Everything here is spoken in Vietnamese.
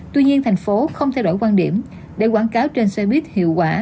tuy nhiên thành phố không thay đổi quan điểm để quảng cáo trên xoay biếc hiệu quả